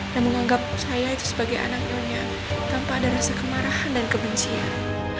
dan menganggap saya itu sebagai anak nyonya tanpa ada rasa kemarahan dan kebencian